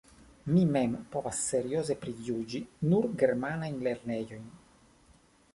Mi mem povas serioze prijuĝi nur germanajn lernejojn.